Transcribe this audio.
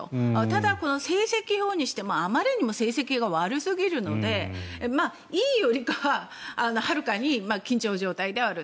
ただ、成績表にしてもあまりにも成績が悪すぎるのでいいよりかははるかにいい緊張状態ではある。